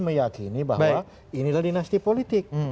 meyakini bahwa inilah dinasti politik